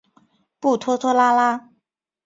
不拖拖拉拉。